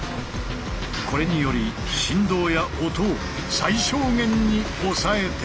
これにより振動や音を最小限に抑えていく。